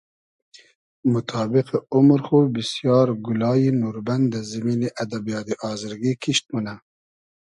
موتابیقی اومر خو بیسیار گولایی نوربئن دۂ زیمینی ادبیاتی آزرگی کیشت مونۂ